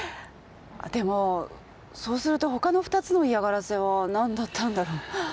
でもそうすると他の２つの嫌がらせは何だったんだろう？